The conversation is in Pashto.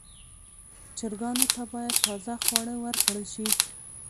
چرګانو ته باید تازه خواړه ورکړل شي.